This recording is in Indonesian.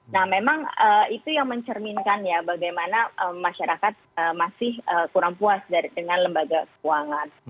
nah memang itu yang mencerminkan ya bagaimana masyarakat masih kurang puas dengan lembaga keuangan